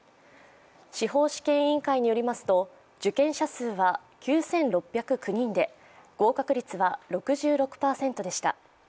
司法試験委員会によりますと受験者数は９６０９人で合格率は６６％でした。